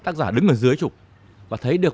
tác giả đứng ở dưới trục và thấy được